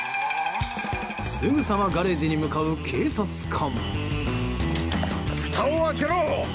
すぐさまガレージに向かう警察官。